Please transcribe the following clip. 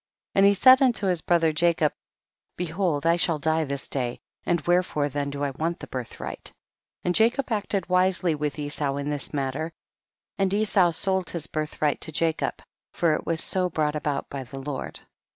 12. And he said unto his brother Jacob, behold I shall die this day, and wherefore then do I want the birthright ? And Jacob acted wisely with Esau in this matter, and Esau sold his birthright to Jacob, for it was so brought about by the Lord.